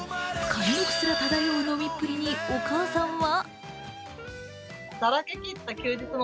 貫禄すら漂う飲みっぷりにお母さんは。